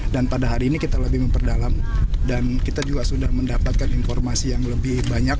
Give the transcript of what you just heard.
dan pada hari ini kita lebih memperdalam dan kita juga sudah mendapatkan informasi yang lebih berat dari penumpang